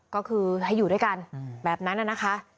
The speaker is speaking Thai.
ก็คือให้อยู่ด้วยกันแบบนั้นนะคะ